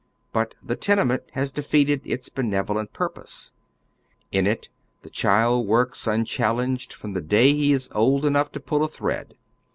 But the tenement has defeated its benevolent purpose. In it the child works unchallenged from the day he is old enough to pull a thread.